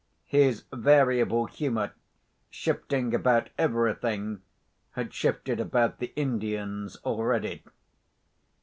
His variable humour, shifting about everything, had shifted about the Indians already.